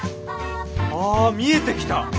あ見えてきた。